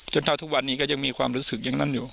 เท่าทุกวันนี้ก็ยังมีความรู้สึกอย่างนั้นอยู่